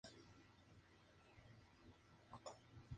En "One for the Vine", la melodía es mucho más lenta.